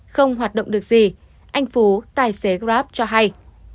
không hoạt động được gì anh phú tài xế grab cho hay